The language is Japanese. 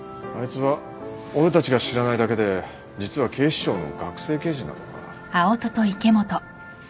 あいつは俺たちが知らないだけで実は警視庁の学生刑事なのか？